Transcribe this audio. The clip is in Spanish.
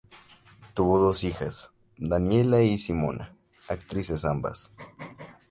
Tuvo dos hijas: Daniela y Simona, actrices ambas.